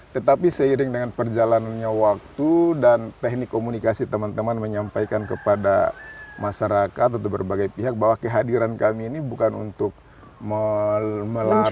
tetapi seiring dengan perjalanannya waktu dan teknik komunikasi teman teman menyampaikan kepada masyarakat atau berbagai pihak bahwa kehadiran kami ini bukan untuk melarang